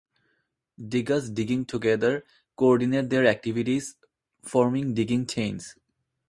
Degus digging together coordinate their activities, forming digging chains.